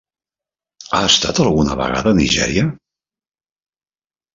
Has estat alguna vegada a Nigèria?